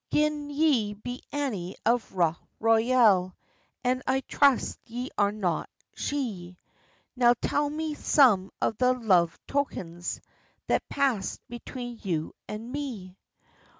"Gin ye be Annie of Rough Royal— And I trust ye are not she— Now tell me some of the love tokens That past between you and me."